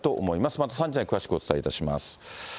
また３時台に詳しくお伝えいたします。